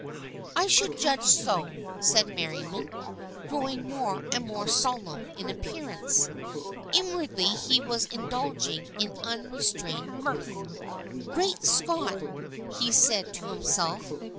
" I should judge so," said Merriam, growing more and more solemn in appearance. Inwardly he was indulging in unrestrained mirth. " Great Scott!" he said to himself.